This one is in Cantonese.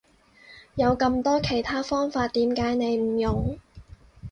有咁多其他方法點解你唔用？